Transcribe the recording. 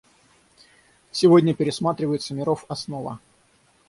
Сегодня пересматривается миров основа.